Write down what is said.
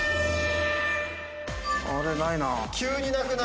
あれっ？ないな。